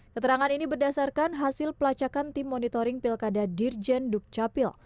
keterangan ini berdasarkan hasil pelacakan tim monitoring pilkada dirjen dukcapil